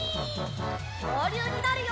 きょうりゅうになるよ！